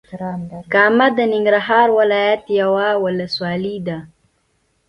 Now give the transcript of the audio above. کامه د ننګرهار ولايت یوه ولسوالې ده.